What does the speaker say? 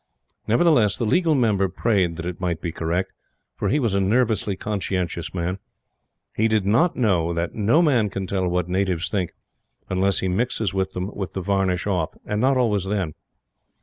Nevertheless, the Legal Member prayed that it might be correct, for he was a nervously conscientious man. He did not know that no man can tell what natives think unless he mixes with them with the varnish off. And not always then.